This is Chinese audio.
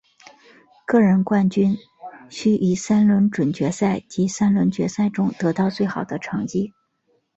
个人冠军需于三轮准决赛及三轮决赛中得到最好的成绩。